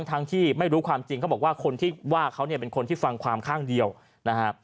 ทั้งที่ไม่รู้ความจริงเขาบอกว่าคนที่ว่าเขาเนี่ยเป็นคนที่ฟังความข้างเดียวนะฮะ